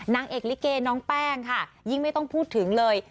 นางเอกลิเกน้องแป้งค่ะยิ่งไม่ต้องพูดถึงเลย